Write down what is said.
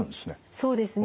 そうですね